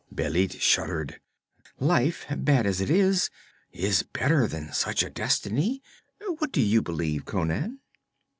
Bêlit shuddered. 'Life, bad as it is, is better than such a destiny. What do you believe, Conan?'